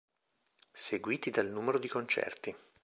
Seguiti dal numero di concerti